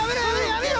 やめろ